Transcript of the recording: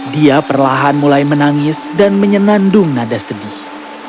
dia perlahan mulai menangis dan menyenandung nada sedih